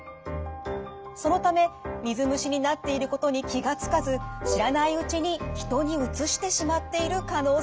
そのため水虫になっていることに気が付かず知らないうちに人にうつしてしまっている可能性も。